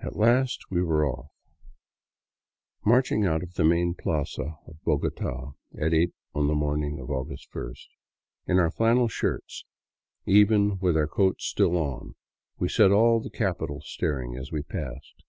At last we were off, marching out of the main plaza of Bogota at eight on the morning of August first. In our flannel shirts, even with our coats still on, we set all the capital staring as we passed.